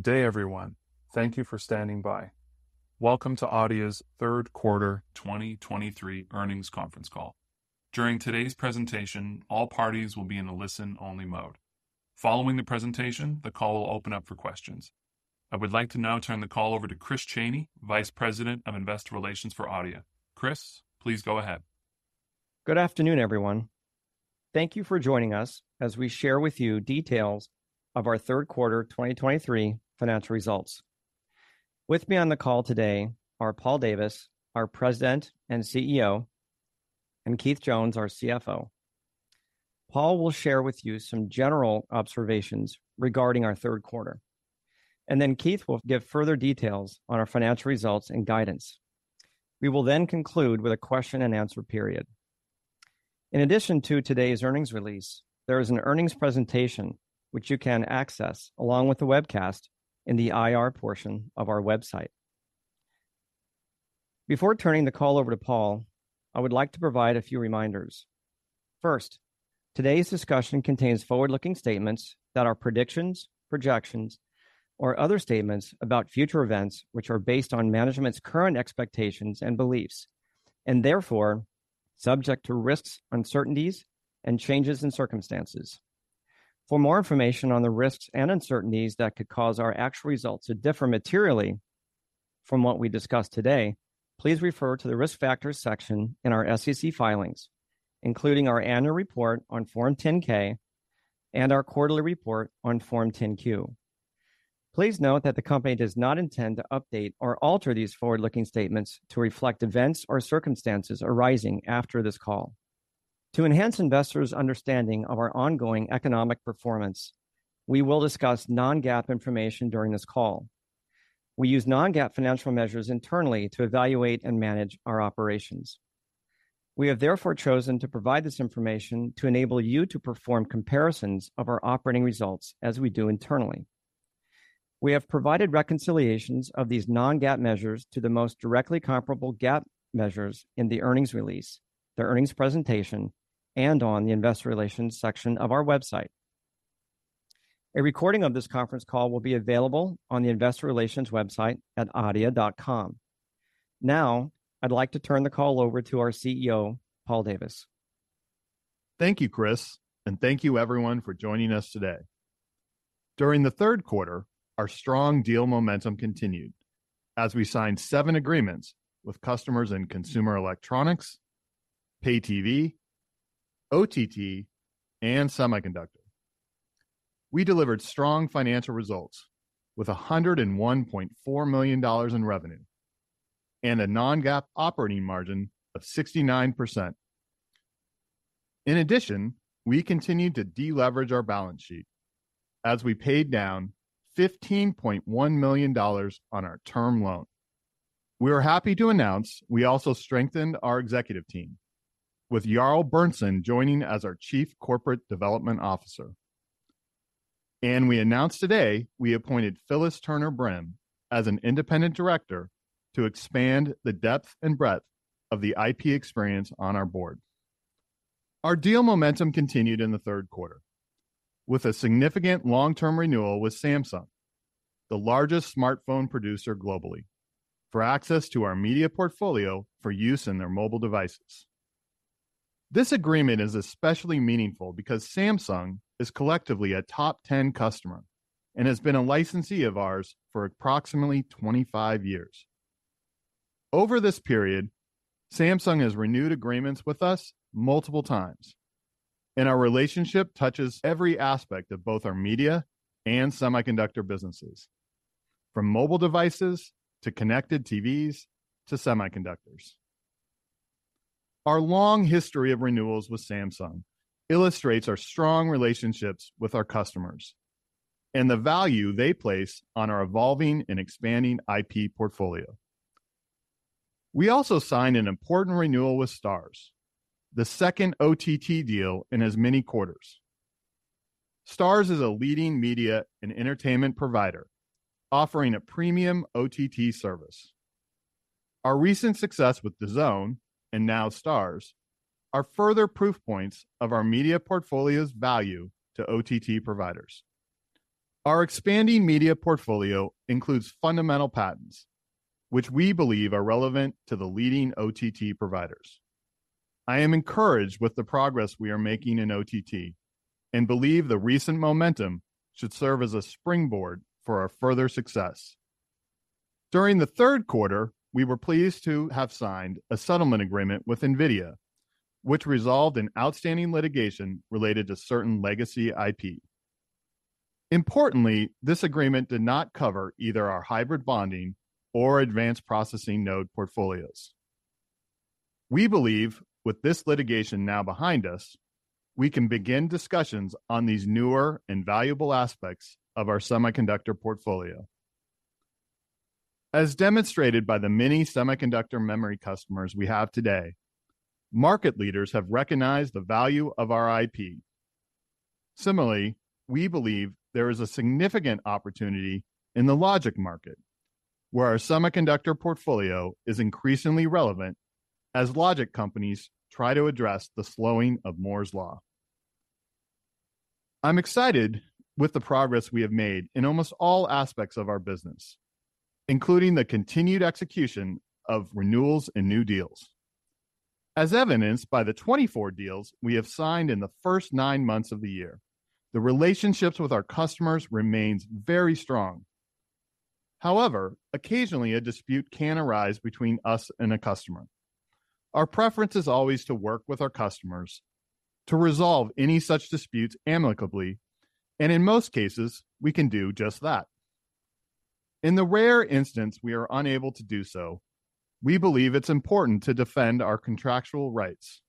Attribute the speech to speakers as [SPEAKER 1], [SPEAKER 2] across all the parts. [SPEAKER 1] Good day, everyone. Thank you for standing by. Welcome to Adeia's third quarter 2023 earnings conference call. During today's presentation, all parties will be in a listen-only mode. Following the presentation, the call will open up for questions. I would like to now turn the call over to Christopher Chaney, Vice President of Investor Relations for Adeia. Christopher, please go ahead.
[SPEAKER 2] Good afternoon, everyone. Thank you for joining us as we share with you details of our third quarter 2023 financial results. With me on the call today are Paul Davis, our President and CEO, and Keith Jones, our CFO. Paul will share with you some general observations regarding our third quarter, and then Keith will give further details on our financial results and guidance. We will then conclude with a question and answer period. In addition to today's earnings release, there is an earnings presentation which you can access, along with the webcast, in the IR portion of our website. Before turning the call over to Paul, I would like to provide a few reminders. First, today's discussion contains forward-looking statements that are predictions, projections, or other statements about future events, which are based on management's current expectations and beliefs, and therefore subject to risks, uncertainties, and changes in circumstances. For more information on the risks and uncertainties that could cause our actual results to differ materially from what we discuss today, please refer to the Risk Factors section in our SEC filings, including our annual report on Form 10-K and our quarterly report on Form 10-Q. Please note that the company does not intend to update or alter these forward-looking statements to reflect events or circumstances arising after this call. To enhance investors' understanding of our ongoing economic performance, we will discuss Non-GAAP information during this call. We use Non-GAAP financial measures internally to evaluate and manage our operations. We have therefore chosen to provide this information to enable you to perform comparisons of our operating results as we do internally. We have provided reconciliations of these non-GAAP measures to the most directly comparable GAAP measures in the earnings release, the earnings presentation, and on the investor relations section of our website. A recording of this conference call will be available on the investor relations website at adeia.com. Now, I'd like to turn the call over to our CEO, Paul Davis.
[SPEAKER 3] Thank you, Christopher, and thank you everyone for joining us today. During the third quarter, our strong deal momentum continued as we signed seven agreements with customers in consumer electronics, pay TV, OTT, and semiconductor. We delivered strong financial results with $101.4 million in revenue and a non-GAAP operating margin of 69%. In addition, we continued to deleverage our balance sheet as we paid down $15.1 million on our term loan. We are happy to announce we also strengthened our executive team, with Jarl Berntsen joining as our Chief Corporate Development Officer, and we announced today we appointed Phyllis Turner-Brim as an independent director to expand the depth and breadth of the IP experience on our board. Our deal momentum continued in the third quarter with a significant long-term renewal with Samsung, the largest smartphone producer globally, for access to our media portfolio for use in their mobile devices. This agreement is especially meaningful because Samsung is collectively a top 10 customer and has been a licensee of ours for approximately 25 years. Over this period, Samsung has renewed agreements with us multiple times, and our relationship touches every aspect of both our media and semiconductor businesses, from mobile devices to connected TVs to semiconductors. Our long history of renewals with Samsung illustrates our strong relationships with our customers and the value they place on our evolving and expanding IP portfolio. We also signed an important renewal with Starz, the second OTT deal in as many quarters. Starz is a leading media and entertainment provider offering a premium OTT service. Our recent success with DAZN, and now Starz, are further proof points of our media portfolio's value to OTT providers. Our expanding media portfolio includes fundamental patents, which we believe are relevant to the leading OTT providers. I am encouraged with the progress we are making in OTT and believe the recent momentum should serve as a springboard for our further success. During the third quarter, we were pleased to have signed a settlement agreement with NVIDIA, which resolved an outstanding litigation related to certain legacy IP. Importantly, this agreement did not cover either our hybrid bonding or Advanced Processing Node portfolios. We believe with this litigation now behind us, we can begin discussions on these newer and valuable aspects of our semiconductor portfolio. As demonstrated by the many semiconductor memory customers we have today, market leaders have recognized the value of our IP. Similarly, we believe there is a significant opportunity in the logic market, where our semiconductor portfolio is increasingly relevant as logic companies try to address the slowing of Moore's Law... I'm excited with the progress we have made in almost all aspects of our business, including the continued execution of renewals and new deals. As evidenced by the 24 deals we have signed in the first nine months of the year, the relationships with our customers remains very strong. However, occasionally a dispute can arise between us and a customer. Our preference is always to work with our customers to resolve any such disputes amicably, and in most cases, we can do just that. In the rare instance, we are unable to do so, we believe it's important to defend our contractual rights.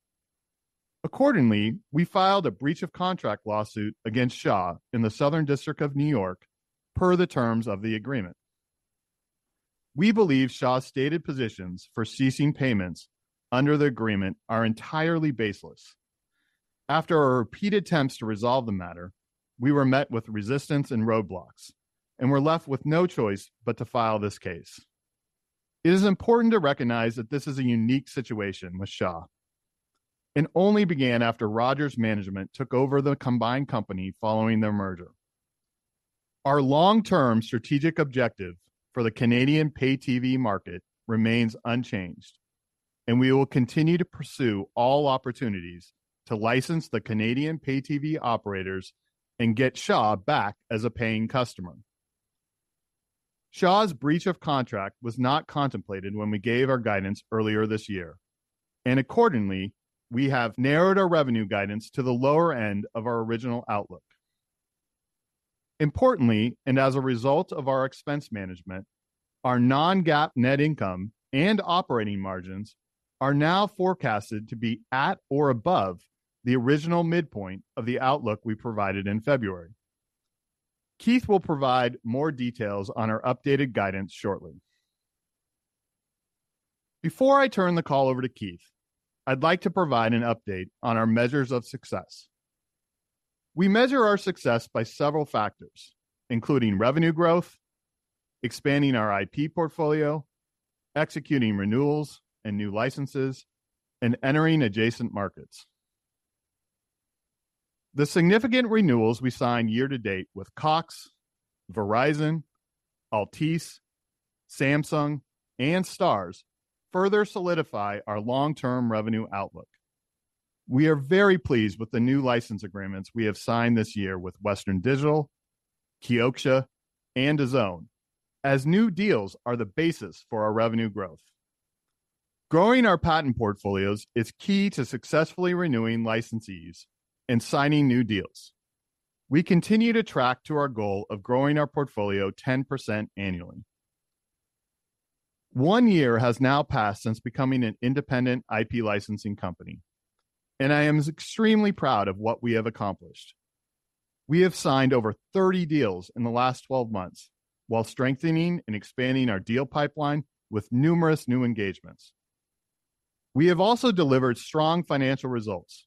[SPEAKER 3] Accordingly, we filed a breach of contract lawsuit against Shaw in the Southern District of New York, per the terms of the agreement. We believe Shaw's stated positions for ceasing payments under the agreement are entirely baseless. After our repeated attempts to resolve the matter, we were met with resistance and roadblocks and were left with no choice but to file this case. It is important to recognize that this is a unique situation with Shaw, and only began after Rogers' management took over the combined company following their merger. Our long-term strategic objective for the Canadian pay TV market remains unchanged, and we will continue to pursue all opportunities to license the Canadian pay TV operators and get Shaw back as a paying customer. Shaw's breach of contract was not contemplated when we gave our guidance earlier this year, and accordingly, we have narrowed our revenue guidance to the lower end of our original outlook. Importantly, and as a result of our expense management, our non-GAAP net income and operating margins are now forecasted to be at or above the original midpoint of the outlook we provided in February. Keith will provide more details on our updated guidance shortly. Before I turn the call over to Keith, I'd like to provide an update on our measures of success. We measure our success by several factors, including revenue growth, expanding our IP portfolio, executing renewals and new licenses, and entering adjacent markets. The significant renewals we signed year to date with Cox, Verizon, Altice, Samsung, and Starz further solidify our long-term revenue outlook. We are very pleased with the new license agreements we have signed this year with Western Digital, Kioxia, and DAZN, as new deals are the basis for our revenue growth. Growing our patent portfolios is key to successfully renewing licensees and signing new deals. We continue to track to our goal of growing our portfolio 10% annually. One year has now passed since becoming an independent IP licensing company, and I am extremely proud of what we have accomplished. We have signed over 30 deals in the last 12 months while strengthening and expanding our deal pipeline with numerous new engagements. We have also delivered strong financial results,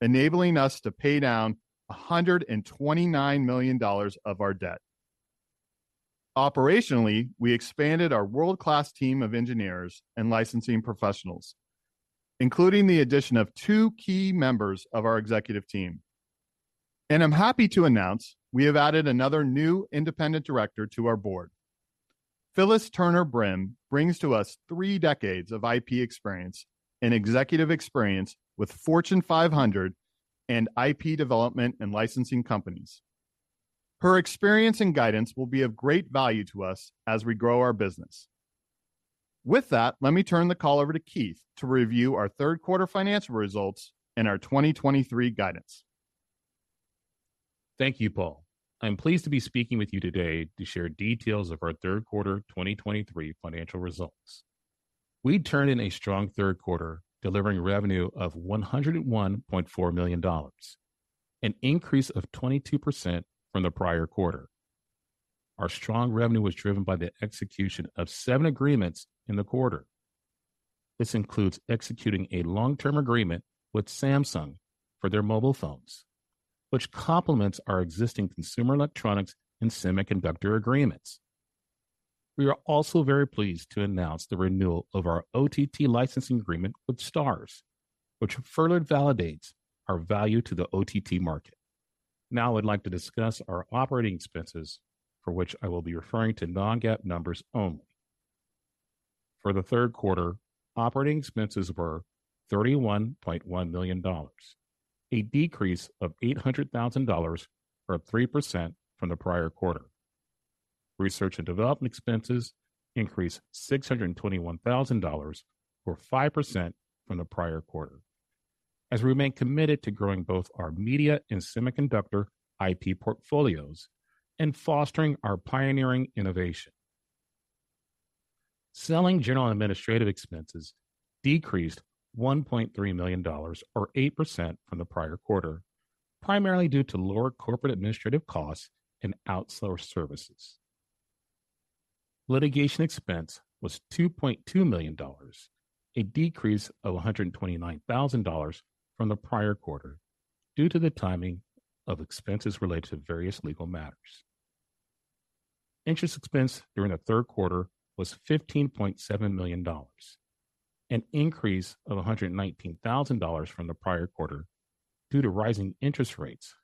[SPEAKER 3] enabling us to pay down $129 million of our debt. Operationally, we expanded our world-class team of engineers and licensing professionals, including the addition of two key members of our executive team. I'm happy to announce we have added another new independent director to our board. Phyllis Turner-Brim brings to us three decades of IP experience and executive experience with Fortune 500 and IP development and licensing companies. Her experience and guidance will be of great value to us as we grow our business. With that, let me turn the call over to Keith to review our third quarter financial results and our 2023 guidance.
[SPEAKER 4] Thank you, Paul. I'm pleased to be speaking with you today to share details of our third quarter 2023 financial results. We turned in a strong third quarter, delivering revenue of $101.4 million, an increase of 22% from the prior quarter. Our strong revenue was driven by the execution of 7 agreements in the quarter. This includes executing a long-term agreement with Samsung for their mobile phones, which complements our existing consumer electronics and semiconductor agreements. We are also very pleased to announce the renewal of our OTT licensing agreement with Starz, which further validates our value to the OTT market. Now, I'd like to discuss our operating expenses, for which I will be referring to non-GAAP numbers only. For the third quarter, operating expenses were $31.1 million, a decrease of $800,000 or 3% from the prior quarter. Research and development expenses increased $621,000 or 5% from the prior quarter, as we remain committed to growing both our media and semiconductor IP portfolios and fostering our pioneering innovation. Selling, general and administrative expenses decreased $1.3 million or 8% from the prior quarter, primarily due to lower corporate administrative costs and outsourced services. Litigation expense was $2.2 million, a decrease of $129,000 from the prior quarter, due to the timing of expenses related to various legal matters.... Interest expense during the third quarter was $15.7 million, an increase of $119,000 from the prior quarter due to rising interest rates,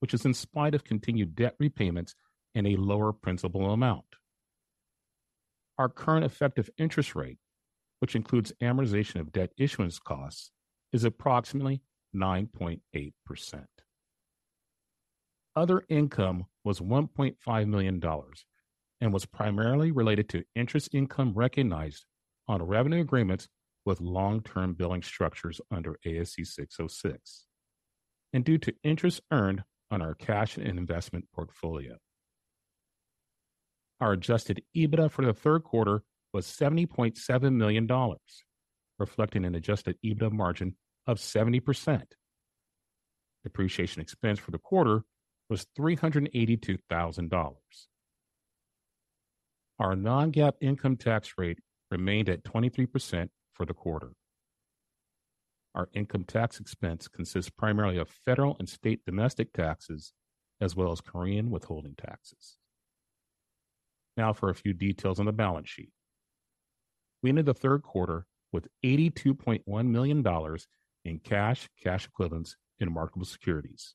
[SPEAKER 4] which is in spite of continued debt repayments and a lower principal amount. Our current effective interest rate, which includes amortization of debt issuance costs, is approximately 9.8%. Other income was $1.5 million and was primarily related to interest income recognized on revenue agreements with long-term billing structures under ASC 606, and due to interest earned on our cash and investment portfolio. Our Adjusted EBITDA for the third quarter was $70.7 million, reflecting an Adjusted EBITDA margin of 70%. Depreciation expense for the quarter was $382,000. Our non-GAAP income tax rate remained at 23% for the quarter. Our income tax expense consists primarily of federal and state domestic taxes, as well as Korean withholding taxes. Now for a few details on the balance sheet. We ended the third quarter with $82.1 million in cash, cash equivalents, and marketable securities.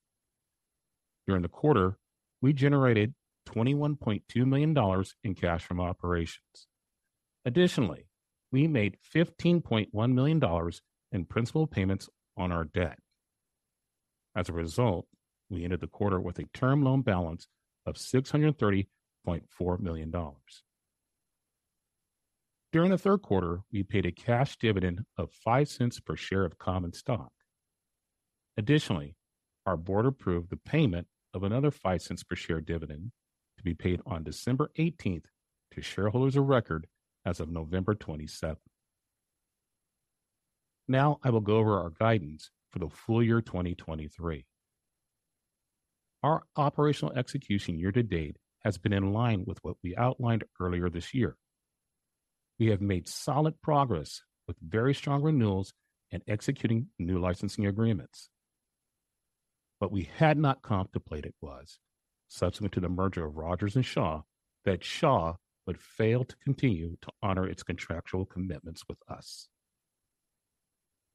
[SPEAKER 4] During the quarter, we generated $21.2 million in cash from operations. Additionally, we made $15.1 million in principal payments on our debt. As a result, we ended the quarter with a term loan balance of $630.4 million. During the third quarter, we paid a cash dividend of $0.05 per share of common stock. Additionally, our board approved the payment of another $0.05 per share dividend to be paid on December eighteenth to shareholders of record as of November twenty-seventh. Now I will go over our guidance for the full year 2023. Our operational execution year to date has been in line with what we outlined earlier this year. We have made solid progress with very strong renewals and executing new licensing agreements. What we had not contemplated was, subsequent to the merger of Rogers and Shaw, that Shaw would fail to continue to honor its contractual commitments with us.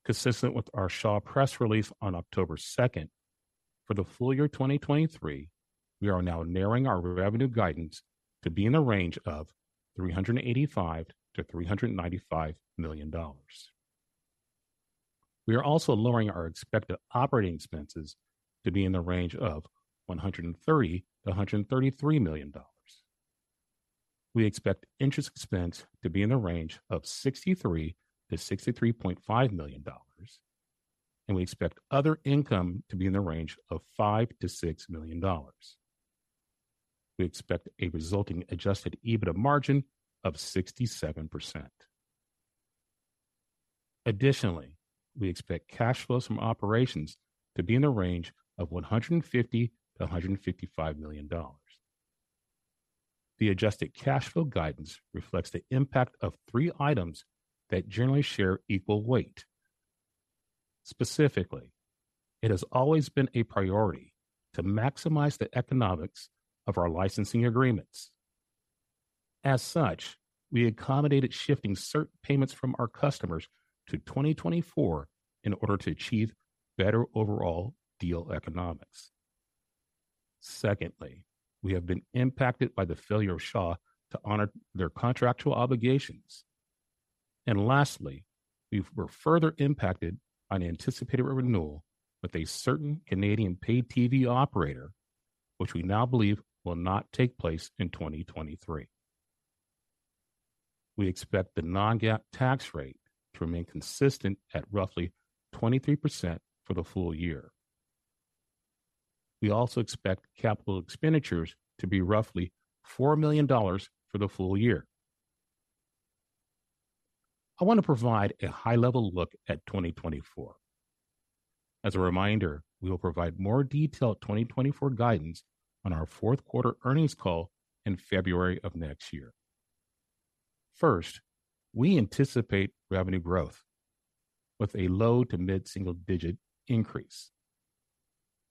[SPEAKER 4] Consistent with our Shaw press release on October 2, for the full year 2023, we are now narrowing our revenue guidance to be in the range of $385 million-$395 million. We are also lowering our expected operating expenses to be in the range of $130 million-$133 million. We expect interest expense to be in the range of $63-$63.5 million, and we expect other income to be in the range of $5-$6 million. We expect a resulting Adjusted EBITDA margin of 67%. Additionally, we expect cash flows from operations to be in the range of $150-$155 million. The adjusted cash flow guidance reflects the impact of three items that generally share equal weight. Specifically, it has always been a priority to maximize the economics of our licensing agreements. As such, we accommodated shifting certain payments from our customers to 2024 in order to achieve better overall deal economics. Secondly, we have been impacted by the failure of Shaw to honor their contractual obligations. Lastly, we're further impacted on anticipated renewal with a certain Canadian pay TV operator, which we now believe will not take place in 2023. We expect the non-GAAP tax rate to remain consistent at roughly 23% for the full year. We also expect capital expenditures to be roughly $4 million for the full year. I want to provide a high-level look at 2024. As a reminder, we will provide more detailed 2024 guidance on our fourth quarter earnings call in February of next year. First, we anticipate revenue growth with a low to mid-single-digit increase.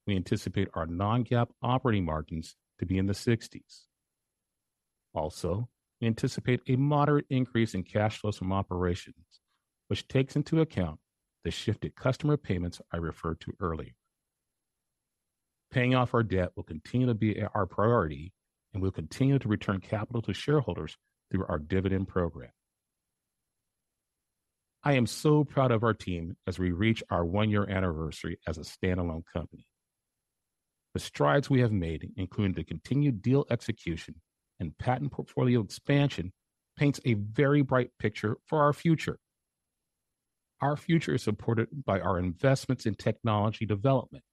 [SPEAKER 4] We anticipate our non-GAAP operating margins to be in the 60s. Also, we anticipate a moderate increase in cash flows from operations, which takes into account the shifted customer payments I referred to earlier. Paying off our debt will continue to be our priority, and we'll continue to return capital to shareholders through our dividend program. I am so proud of our team as we reach our one-year anniversary as a standalone company. The strides we have made, including the continued deal execution and patent portfolio expansion, paints a very bright picture for our future. Our future is supported by our investments in technology development,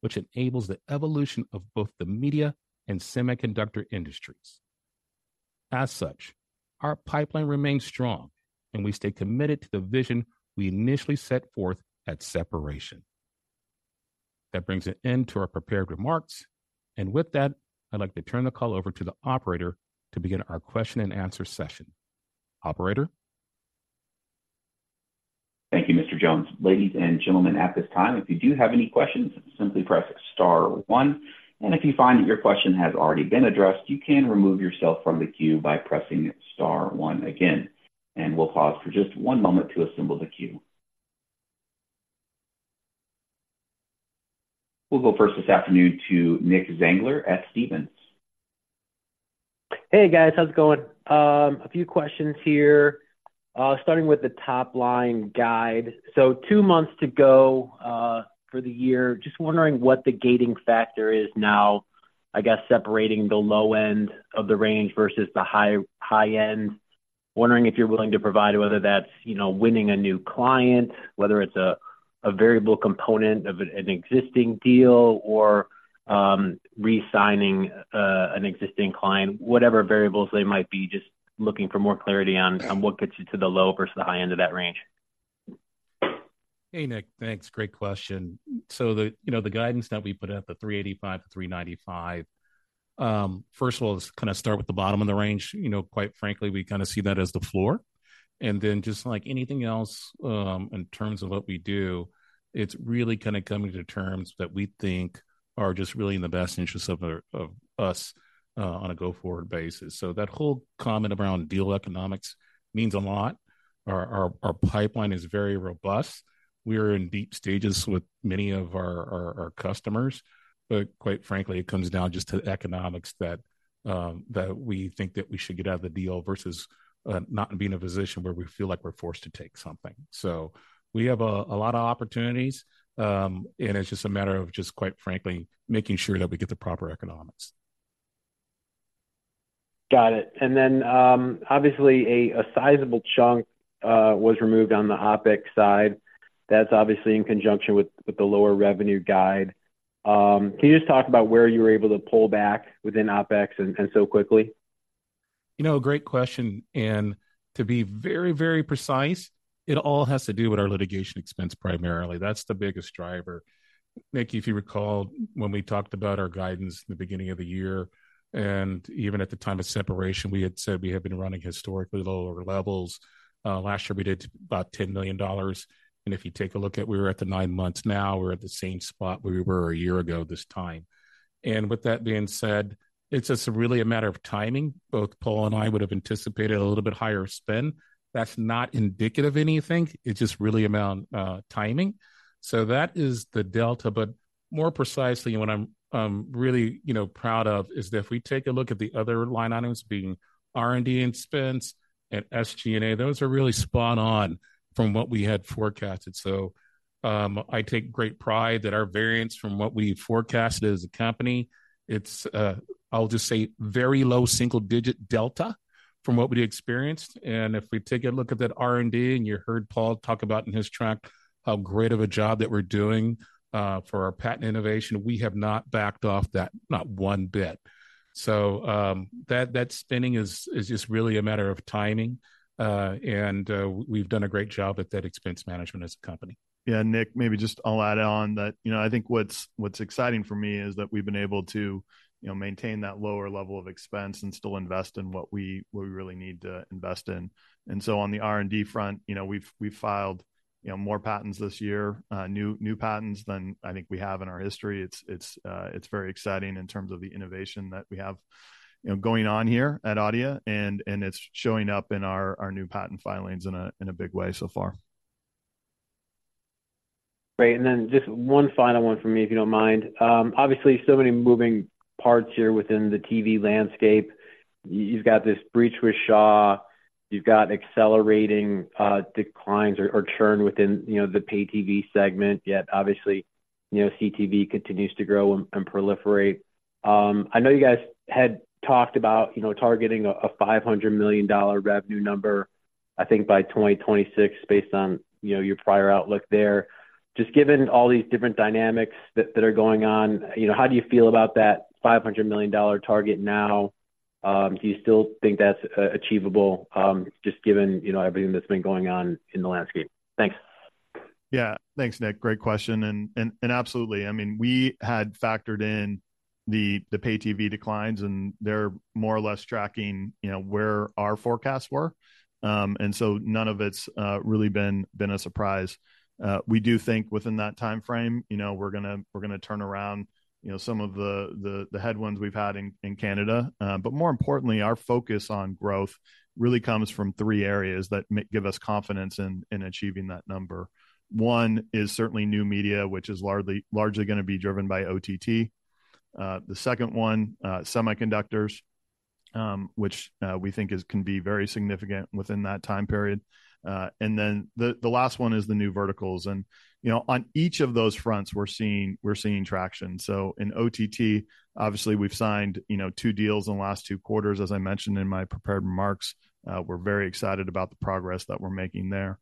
[SPEAKER 4] which enables the evolution of both the media and semiconductor industries. As such, our pipeline remains strong, and we stay committed to the vision we initially set forth at separation. That brings an end to our prepared remarks, and with that, I'd like to turn the call over to the operator to begin our question and answer session. Operator?...
[SPEAKER 1] Thank you, Mr. Jones. Ladies and gentlemen, at this time, if you do have any questions, simply press star one, and if you find that your question has already been addressed, you can remove yourself from the queue by pressing star one again, and we'll pause for just one moment to assemble the queue. We'll go first this afternoon to Nicholas Zangler at Stephens.
[SPEAKER 5] Hey, guys. How's it going? A few questions here, starting with the top-line guide. So two months to go for the year. Just wondering what the gating factor is now, I guess, separating the low end of the range versus the high end. Wondering if you're willing to provide whether that's, you know, winning a new client, whether it's a variable component of an existing deal or re-signing an existing client. Whatever variables they might be, just looking for more clarity on what gets you to the low versus the high end of that range.
[SPEAKER 4] Hey, Nicholas. Thanks. Great question. So the, you know, the guidance that we put out, $385-$395, first of all, let's kind of start with the bottom of the range. You know, quite frankly, we kind of see that as the floor, and then just like anything else, in terms of what we do, it's really kind of coming to terms that we think are just really in the best interests of our of us, on a go-forward basis. So that whole comment around deal economics means a lot. Our pipeline is very robust. We're in deep stages with many of our customers, but quite frankly, it comes down just to the economics that we think that we should get out of the deal versus not being in a position where we feel like we're forced to take something. So we have a lot of opportunities, and it's just a matter of just, quite frankly, making sure that we get the proper economics.
[SPEAKER 5] Got it. Then, obviously, a sizable chunk was removed on the OpEx side. That's obviously in conjunction with the lower revenue guide. Can you just talk about where you were able to pull back within OpEx and so quickly?
[SPEAKER 4] You know, great question, and to be very, very precise, it all has to do with our litigation expense, primarily. That's the biggest driver. Nicholas, if you recall, when we talked about our guidance in the beginning of the year, and even at the time of separation, we had said we had been running historically lower levels. Last year we did about $10 million, and if you take a look at where we're at the nine months now, we're at the same spot we were a year ago this time. And with that being said, it's just really a matter of timing. Both Paul and I would have anticipated a little bit higher spend. That's not indicative of anything. It's just really about, timing. So that is the delta. But more precisely, what I'm really, you know, proud of, is that if we take a look at the other line items, being R&D expense and SG&A, those are really spot on from what we had forecasted. So, I take great pride that our variance from what we forecasted as a company, it's, I'll just say, very low single-digit delta from what we experienced. And if we take a look at that R&D, and you heard Paul talk about in his talk, how great of a job that we're doing, for our patent innovation, we have not backed off that, not one bit. So, that spending is just really a matter of timing, and, we've done a great job at that expense management as a company.
[SPEAKER 3] Yeah, Nicholas, maybe just I'll add on that. You know, I think what's, what's exciting for me is that we've been able to, you know, maintain that lower level of expense and still invest in what we, we really need to invest in. And so on the R&D front, you know, we've, we've filed, you know, more patents this year, new, new patents than I think we have in our history. It's, it's, it's very exciting in terms of the innovation that we have, you know, going on here at Adeia, and, and it's showing up in our, our new patent filings in a, in a big way so far.
[SPEAKER 5] Great. And then just one final one for me, if you don't mind. Obviously, so many moving parts here within the TV landscape. You've got this breach with Shaw, you've got accelerating declines or churn within, you know, the pay TV segment, yet obviously, you know, CTV continues to grow and proliferate. I know you guys had talked about, you know, targeting a $500 million revenue number, I think by 2026, based on, you know, your prior outlook there. Just given all these different dynamics that are going on, you know, how do you feel about that $500 million target now? Do you still think that's achievable, just given, you know, everything that's been going on in the landscape? Thanks.
[SPEAKER 3] Yeah. Thanks, Nicholas. Great question, and absolutely. I mean, we had factored in the pay TV declines, and they're more or less tracking, you know, where our forecasts were. And so none of it's really been a surprise. We do think within that timeframe, you know, we're gonna turn around, you know, some of the headwinds we've had in Canada. But more importantly, our focus on growth really comes from three areas that give us confidence in achieving that number. One is certainly new media, which is largely gonna be driven by OTT. The second one, semiconductors, which we think can be very significant within that time period. And then the last one is the new verticals. And, you know, on each of those fronts, we're seeing, we're seeing traction. So in OTT, obviously, we've signed, you know, two deals in the last two quarters, as I mentioned in my prepared remarks. We're very excited about the progress that we're making there.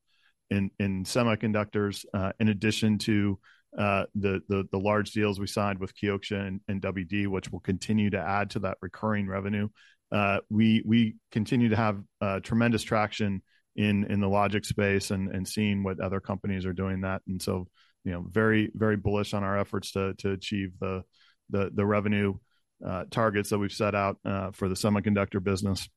[SPEAKER 3] In semiconductors, in addition to the large deals we signed with Kioxia and WD, which will continue to add to that recurring revenue, we continue to have tremendous traction in the logic space and seeing what other companies are doing that. And so, you know, very, very bullish on our efforts to achieve the revenue targets that we've set out for the semiconductor business.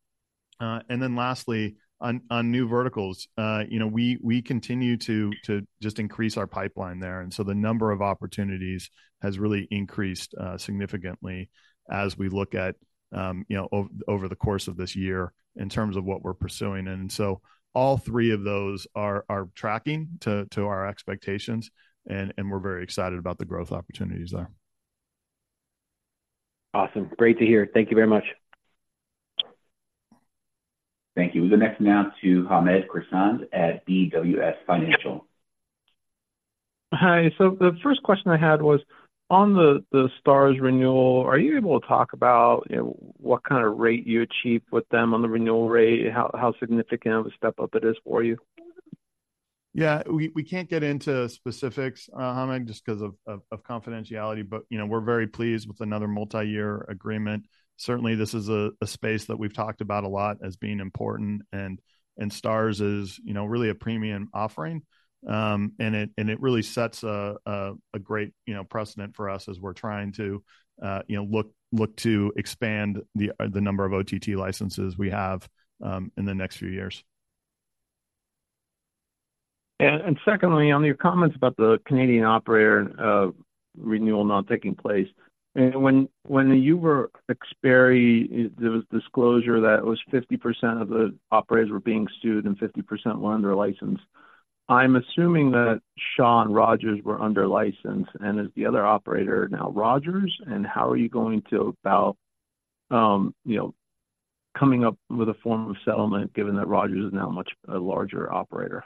[SPEAKER 3] And then lastly, on new verticals, you know, we continue to just increase our pipeline there. And so the number of opportunities has really increased significantly as we look at, you know, over the course of this year in terms of what we're pursuing. And so all three of those are tracking to our expectations, and we're very excited about the growth opportunities there.
[SPEAKER 1] Awesome. Great to hear. Thank you very much. Thank you. We go next now to Hamed Khorsand at BWS Financial.
[SPEAKER 6] Hi. So the first question I had was, on the Starz renewal, are you able to talk about, you know, what kind of rate you achieved with them on the renewal rate, and how significant of a step up it is for you?
[SPEAKER 3] Yeah, we, we can't get into specifics, Hamid, just 'cause of confidentiality, but, you know, we're very pleased with another multi-year agreement. Certainly, this is a space that we've talked about a lot as being important, and Starz is, you know, really a premium offering. And it really sets a great, you know, precedent for us as we're trying to, you know, look to expand the number of OTT licenses we have in the next few years.
[SPEAKER 6] Secondly, on your comments about the Canadian operator renewal not taking place. When you were Xperi, there was disclosure that it was 50% of the operators were being sued and 50% were under license. I'm assuming that Shaw and Rogers were under license, and is the other operator now Rogers? How are you going to about, you know, coming up with a form of settlement given that Rogers is now a much larger operator?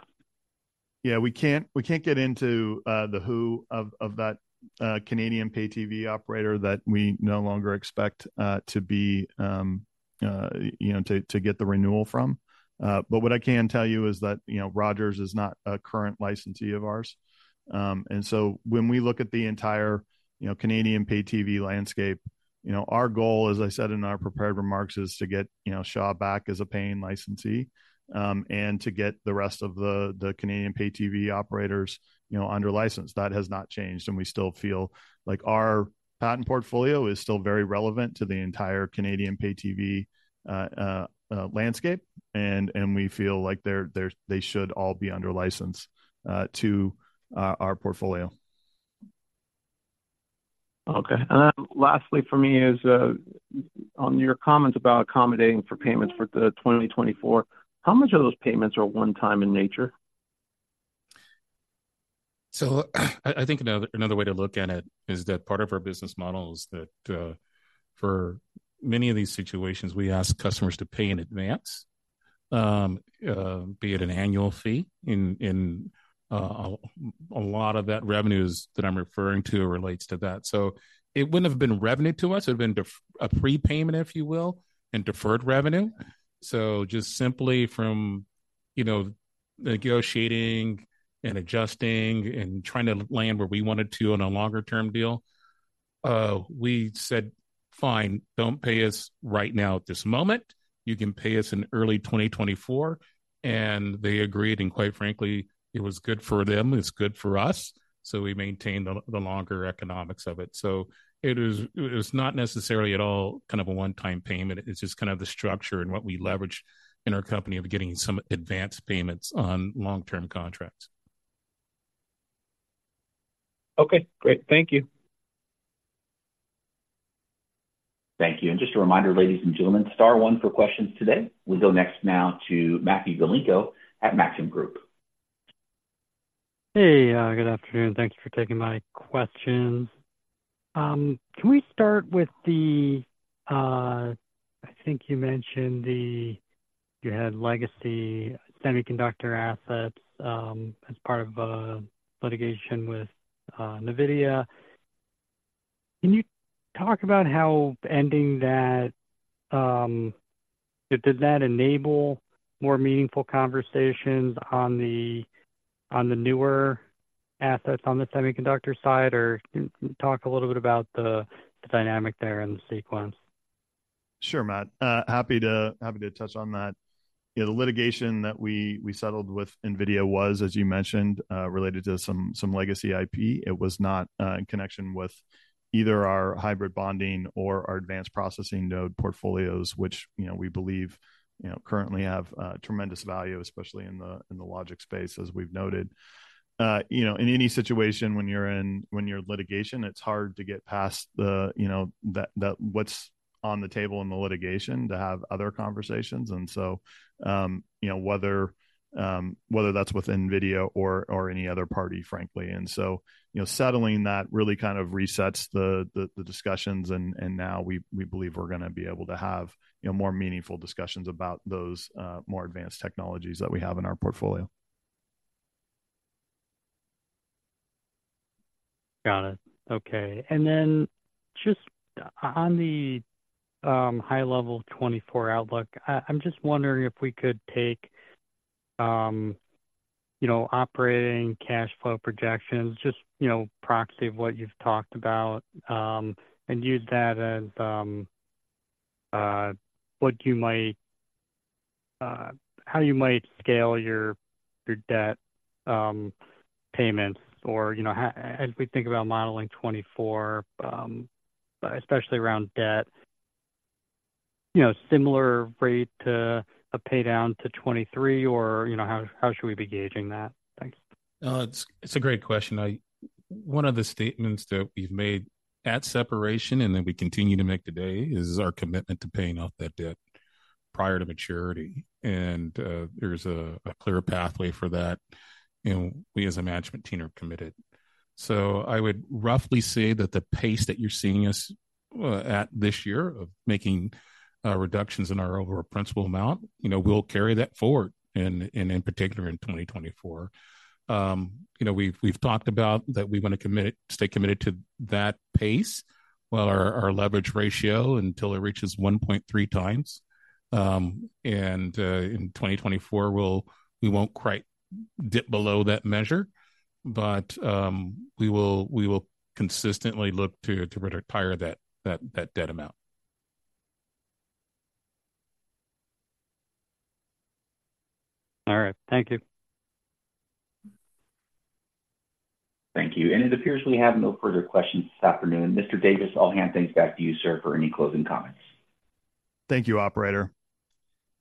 [SPEAKER 3] Yeah, we can't, we can't get into the who of that Canadian pay TV operator that we no longer expect to be, you know, to get the renewal from. But what I can tell you is that, you know, Rogers is not a current licensee of ours. And so when we look at the entire, you know, Canadian pay TV landscape, you know, our goal, as I said in our prepared remarks, is to get, you know, Shaw back as a paying licensee, and to get the rest of the Canadian pay TV operators, you know, under license. That has not changed, and we still feel like our patent portfolio is still very relevant to the entire Canadian pay TV landscape, and we feel like they should all be under license to our portfolio.
[SPEAKER 6] Okay. And then lastly for me is, on your comments about accommodating for payments for 2024, how much of those payments are one-time in nature?
[SPEAKER 3] So I think another way to look at it is that part of our business model is that, for many of these situations, we ask customers to pay in advance, be it an annual fee. And a lot of that revenue that I'm referring to relates to that. So it wouldn't have been revenue to us, it would have been a prepayment, if you will, and deferred revenue. So just simply from, you know, negotiating and adjusting and trying to land where we wanted to on a longer-term deal, we said, "Fine, don't pay us right now at this moment. You can pay us in early 2024." And they agreed, and quite frankly, it was good for them, it's good for us, so we maintained the longer economics of it. It was, it was not necessarily at all kind of a one-time payment. It's just kind of the structure and what we leverage in our company of getting some advanced payments on long-term contracts.
[SPEAKER 6] Okay, great. Thank you.
[SPEAKER 1] Thank you. And just a reminder, ladies and gentlemen, star one for questions today. We go next now to Matthew Galinko at Maxim Group.
[SPEAKER 7] Hey, good afternoon. Thank you for taking my questions. Can we start with the? I think you mentioned you had legacy semiconductor assets as part of a litigation with NVIDIA. Can you talk about how ending that did that enable more meaningful conversations on the newer assets on the semiconductor side? Or can you talk a little bit about the dynamic there and the sequence?
[SPEAKER 3] Sure, Matt. Happy to, happy to touch on that. Yeah, the litigation that we settled with NVIDIA was, as you mentioned, related to some legacy IP. It was not in connection with either our hybrid bonding or our Advanced Processing Node portfolios, which, you know, we believe, you know, currently have tremendous value, especially in the logic space, as we've noted. You know, in any situation when you're in litigation, it's hard to get past the, you know, what's on the table in the litigation to have other conversations. And so, you know, whether that's with NVIDIA or any other party, frankly. And so, you know, settling that really kind of resets the discussions, and now we believe we're going to be able to have, you know, more meaningful discussions about those more advanced technologies that we have in our portfolio.
[SPEAKER 7] Got it. Okay. And then just on the high level 2024 outlook, I'm just wondering if we could take, you know, operating cash flow projections, just, you know, proxy of what you've talked about, and use that as, how you might scale your debt payments or, you know, how, as we think about modeling 2024, especially around debt, you know, similar rate to a pay down to 2023, or, you know, how should we be gauging that? Thanks.
[SPEAKER 4] It's a great question. One of the statements that we've made at separation and that we continue to make today is our commitment to paying off that debt prior to maturity. And there's a clear pathway for that, and we, as a management team, are committed. So I would roughly say that the pace that you're seeing us at this year of making reductions in our overall principal amount, you know, we'll carry that forward, and in particular, in 2024. You know, we've talked about that we want to stay committed to that pace while our leverage ratio until it reaches 1.3 times. And in 2024, we won't quite dip below that measure, but we will consistently look to retire that debt amount.
[SPEAKER 7] All right. Thank you.
[SPEAKER 1] Thank you. It appears we have no further questions this afternoon. Mr. Davis, I'll hand things back to you, sir, for any closing comments.
[SPEAKER 3] Thank you, operator.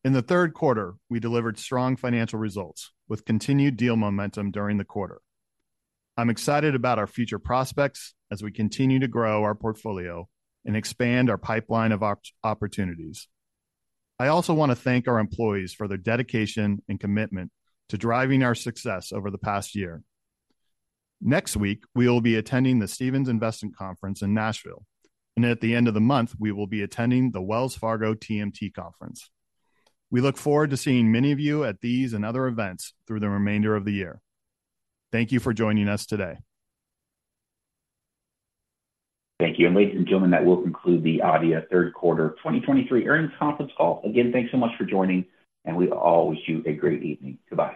[SPEAKER 3] In the third quarter, we delivered strong financial results with continued deal momentum during the quarter. I'm excited about our future prospects as we continue to grow our portfolio and expand our pipeline of opportunities. I also want to thank our employees for their dedication and commitment to driving our success over the past year. Next week, we will be attending the Stephens Investment Conference in Nashville, and at the end of the month, we will be attending the Wells Fargo TMT Conference. We look forward to seeing many of you at these and other events through the remainder of the year. Thank you for joining us today.
[SPEAKER 1] Thank you. And ladies and gentlemen, that will conclude the Adeia third quarter 2023 earnings conference call. Again, thanks so much for joining, and we all wish you a great evening. Goodbye.